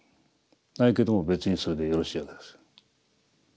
ないけども別にそれでよろしいわけです。